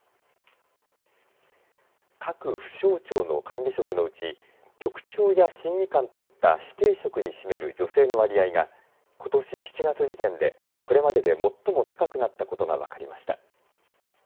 各府省庁の管理職のうち局長や審議官といった指定職に占める女性の割合がことし７月時点でこれまでで最も高くなったことが分かりました。